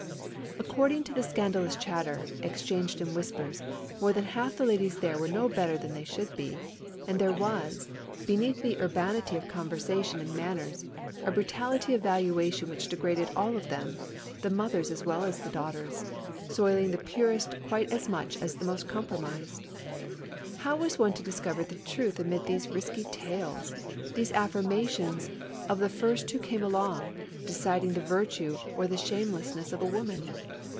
According to the scan dalous chatter, exchanged in whispers, more than half the ladies there were no better than they should be; and there was, beneath the urbanity of conversation and manners, a brutality of valuation which degraded all of them, the mothers as well as the daughters, soiling the purest quite as much as the most compromised. How was one to discover the truth amid these risky tales, these affirmations of the first who came along, deciding the virtue or the shamelessness of a woman?